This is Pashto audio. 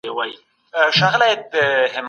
تاسو کولای سئ لوي کارونه وکړئ.